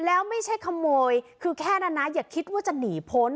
แล้วไม่ใช่ขโมยคือแค่นั้นนะอย่าคิดว่าจะหนีพ้น